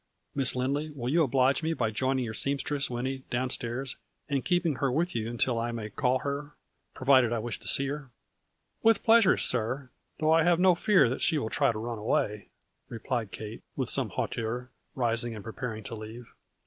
" Miss Lindley, will you oblige me by joining your seamstress, Winnie, down stairs, and keeping her with you until I may call her, provided I wish to see her ?"" With pleasure, sir, though I have no fear that she will try to run away," replied Kate, with some hauteur, rising and preparing to leave.